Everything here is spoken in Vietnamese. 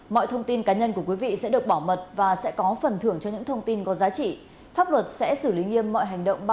mọi thông tin cá nhân của quý vị sẽ được bỏ mật và sẽ có phần thưởng cho những thông tin có giá trị